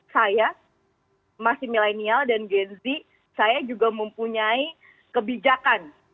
saya masih milenial dan genzi saya juga mempunyai kebijakan